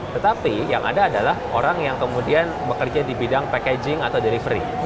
tetapi yang ada adalah orang yang kemudian bekerja di bidang packaging atau delivery